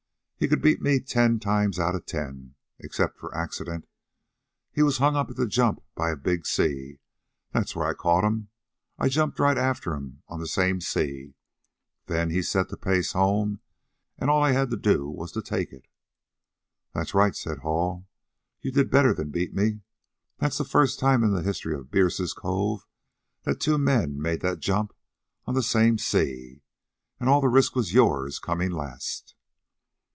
He could beat me ten times outa ten, except for accident. He was hung up at the jump by a big sea. That's where I caught 'm. I jumped right after 'm on the same sea, then he set the pace home, and all I had to do was take it." "That's all right," said Hall. "You did better than beat me. That's the first time in the history of Bierce's Cove that two men made that jump on the same sea. And all the risk was yours, coming last."